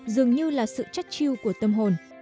dường như là sự trách chiêu của tâm hồn